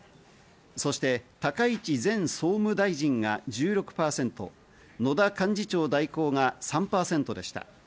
そして高市前総務大臣が１６％、野田幹事長代行が３％でした。